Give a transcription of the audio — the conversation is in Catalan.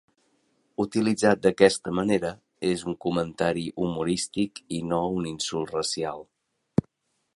Utilitzat d'aquesta manera és un comentari humorístic i no un insult racial.